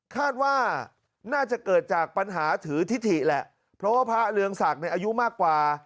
คาดว่าน่าจะเกิดจากปัญหาถือทิศถิแหละเพราะว่าพระเรืองศักดิ์อายุมากกว่า